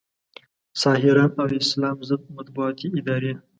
ساحران او اسلام ضد مطبوعاتي ادارې